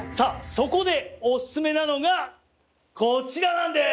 そこでオススメなのがこちらなんです。